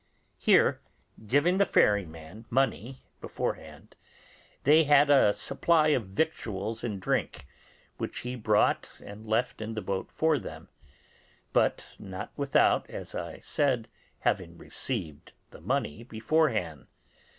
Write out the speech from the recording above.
Here, giving the ferryman money beforehand, they had a supply of victuals and drink, which he brought and left in the boat for them; but not without, as I said, having received the money beforehand.